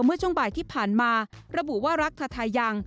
เมื่อช่วงบ่ายที่ผ่านมาระบุว่ารักทาทายัง